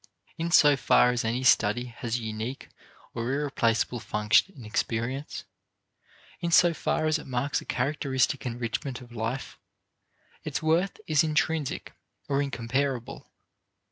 In so far as any study has a unique or irreplaceable function in experience, in so far as it marks a characteristic enrichment of life, its worth is intrinsic or incomparable.